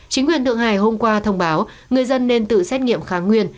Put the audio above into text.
chính quyền thượng hải hôm qua thông báo người dân nên tự xét nghiệm kháng nguyên